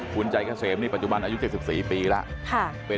คุณใจเกษมนี่ปัจจุบันอายุ๗๔ปีแล้ว